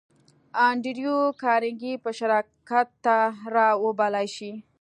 انډریو کارنګي به شراکت ته را وبللای شې